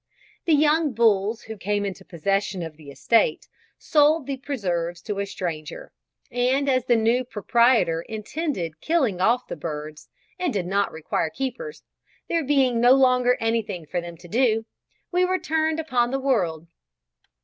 The young Bulls who came into possession of the estate, sold the preserves to a stranger; and as the new proprietor intended killing off the birds, and did not require keepers, there being no longer anything for them to do, we were turned upon the world.